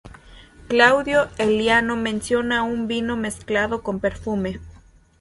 Claudio Eliano menciona un vino mezclado con perfume.